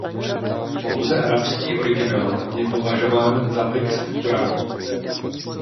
Pouze arabský originál je považován za text Koránu.